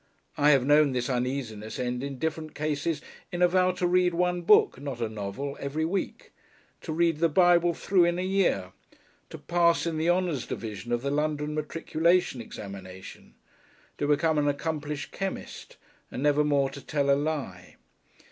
I have known this uneasiness end in different cases in a vow to read one book (not a novel) every week, to read the Bible through in a year, to pass in the Honours division of the London Matriculation examination, to become an accomplished chemist, and never more to tell a lie.